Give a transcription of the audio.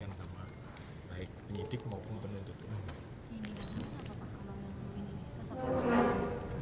yang sama baik pendidik maupun penuntut